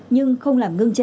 nhưng không làm ngưng chạy